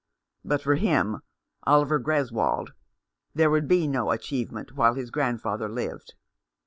But for him, Oliver Gres wold, there would be no achievement while his grandfather lived.